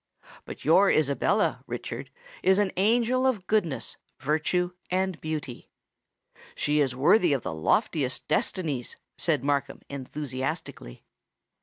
But your Isabella, Richard, is an angel of goodness, virtue, and beauty!" "She is worthy of the loftiest destinies!" said Markham enthusiastically.